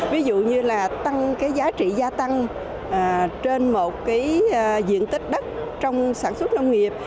ví dụ như là tăng cái giá trị gia tăng trên một cái diện tích đất trong sản xuất nông nghiệp